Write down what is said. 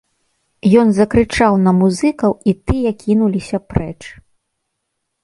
Ён закрычаў на музыкаў і тыя кінуліся прэч.